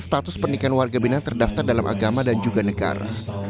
status pernikahan warga bina terdaftar dalam agama dan juga negara